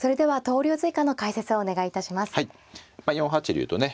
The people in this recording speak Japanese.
４八竜とね